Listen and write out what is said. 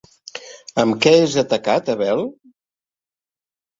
Amb què és atacat Abel?